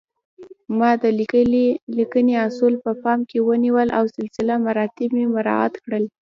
ما د لیکنې اصول په پام کې ونیول او سلسله مراتب مې مراعات کړل